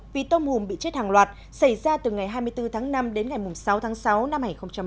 vì tôm hùm bị chết hàng loạt xảy ra từ ngày hai mươi bốn tháng năm đến ngày sáu tháng sáu năm hai nghìn một mươi chín